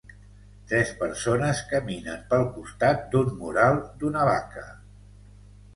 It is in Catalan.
Tres persones caminen pel costat d'un mural d'una vaca.